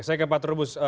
saya ke pak terubus